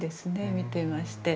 見てまして。